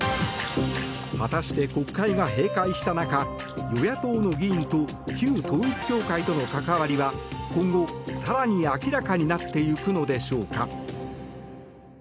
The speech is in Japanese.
果たして、国会が閉会した中与野党の議員と旧統一教会との関わりは今後、更に明らかになっていくのでしょうか。